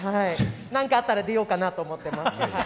何かあったら出ようかなと思ってます。